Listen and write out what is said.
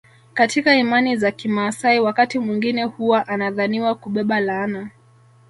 Katika imani za kimaasai wakati mwingine huwa anadhaniwa kubeba laana